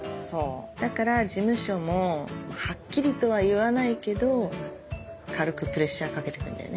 だから事務所もはっきりとは言わないけど軽くプレッシャーかけてくるんだよね。